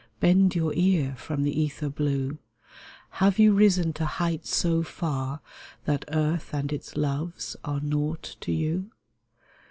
Bend your ear from the ether blue ! Have you risen to heights so far That earth and its loves are nought to you